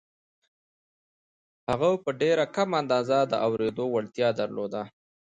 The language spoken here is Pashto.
هغه په ډېره کمه اندازه د اورېدو وړتيا درلوده.